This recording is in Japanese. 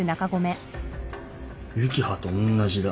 幸葉とおんなじだ。